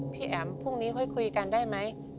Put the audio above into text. แอ๋มพรุ่งนี้ค่อยคุยกันได้ไหม